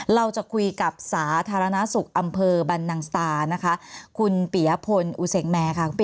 เราจะคุยกับสาธารณสุขอำเภอบรรนังสตานะคะคุณปียพลอุเสงแมร์ค่ะ